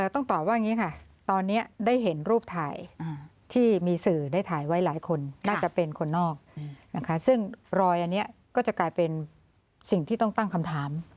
ต้องตอบว่าอย่างนี้ค่ะตอนนี้ได้เห็นรูปถ่ายที่มีสื่อได้ถ่ายไว้หลายคนน่าจะเป็นคนนอกนะคะซึ่งรอยอันนี้ก็จะกลายเป็นสิ่งที่ต้องตั้งคำถาม